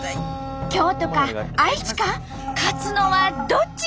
京都か愛知か勝つのはどっち！？